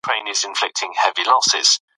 ګونګې خبرې اړيکې خرابوي.